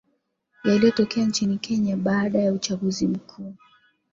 yaliotokea nchini kenya baada ya uchaguzi mkuu